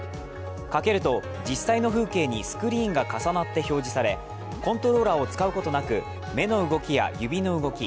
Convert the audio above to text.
かけると実際の風景にスクリーンが重なって表示され、コントローラーを使うことなく目の動きや指の動き